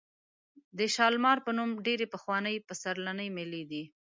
د شالمار په نوم ډېرې پخوانۍ پسرلنۍ مېلې دي.